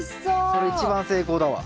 それ一番成功だわ。